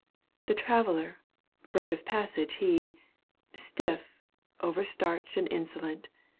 The traveller, bird of passage he. Stiff, overstarched and insolent.